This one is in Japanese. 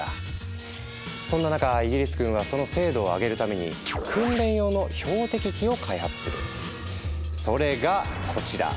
そんな中イギリス軍はその精度を上げるためにそれがこちら！